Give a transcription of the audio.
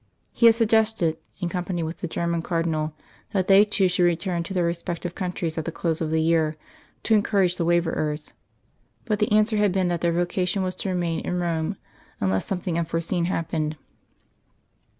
He had suggested, in company with the German Cardinal, that they two should return to their respective countries at the close of the year, to encourage the waverers; but the answer had been that their vocation was to remain in Rome, unless something unforeseen happened.